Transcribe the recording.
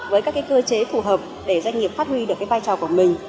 với các cơ chế phù hợp để doanh nghiệp phát huy được vai trò của mình